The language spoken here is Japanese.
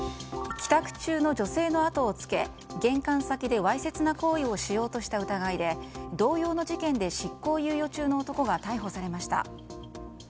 帰宅中の女性の後をつけ玄関先でわいせつな行為をしようとした疑いで同様の事件で執行猶予中の男が逮捕されました。